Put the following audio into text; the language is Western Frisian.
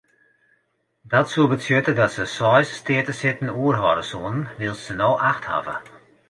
Dat soe betsjutte dat se seis steatesitten oerhâlde soenen wylst se no acht hawwe.